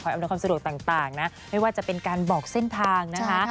อำนวยความสะดวกต่างนะไม่ว่าจะเป็นการบอกเส้นทางนะคะ